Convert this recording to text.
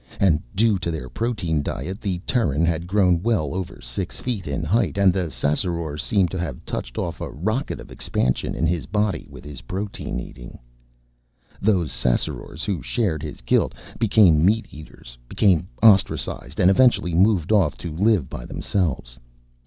And due to their protein diet the Terran had grown well over six feet in height and the Ssassaror seemed to have touched off a rocket of expansion in his body with his protein eating. Those Ssassarors who shared his guilt became meat eaters became ostracized and eventually moved off to live by themselves.